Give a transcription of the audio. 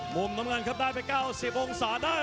มุมน้ำเงินครับได้ไป๙๐องศาได้